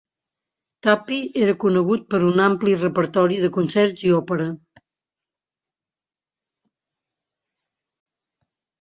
Tappy era conegut per un ampli repertori de concerts i òpera.